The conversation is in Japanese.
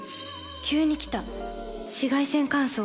急に来た紫外線乾燥。